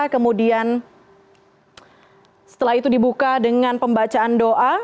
kemudian setelah itu dibuka dengan pembacaan doa